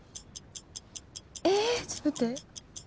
ちょっと待って。